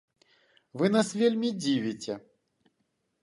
Вы нас вельмі дзівіце!